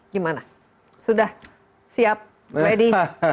gimana sudah siap ready